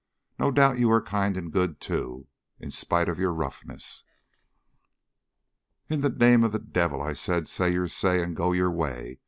No doubt you are kind and good, too, in spite of your roughness." "In the name of the devil," I said, "say your say, and go your way.